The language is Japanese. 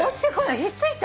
ひっついた？